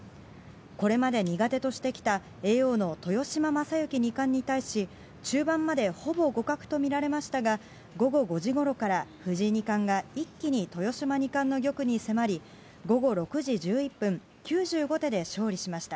これまで苦手としてきた叡王の豊島将之二冠に対し中盤までほぼ互角とみられましたが午後５時ごろから、藤井二冠が一気に豊島二冠の玉に迫り午後６時１１分９５手で勝利しました。